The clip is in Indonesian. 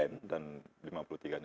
yang ikut kompetisinya